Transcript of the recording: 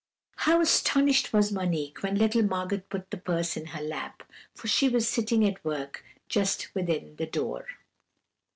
"How astonished was Monique when little Margot put the purse in her lap, for she was sitting at work just within the door.